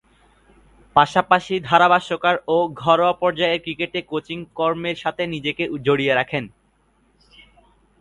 পাশাপাশি ধারাভাষ্যকার ও ঘরোয়া পর্যায়ের ক্রিকেটে কোচিং কর্মের সাথে নিজেকে জড়িয়ে রাখেন।